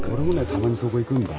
たまにそこ行くんだ。